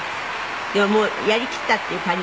でももうやりきったっていう感じですかね